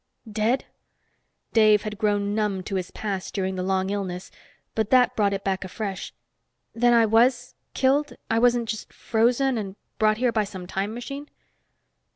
"Dead?" Dave had grown numbed to his past during the long illness, but that brought it back afresh. "Then I was killed? I wasn't just frozen and brought here by some time machine?"